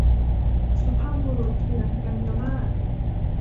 สุภาพบุรุษเถื่อน - กันยามาส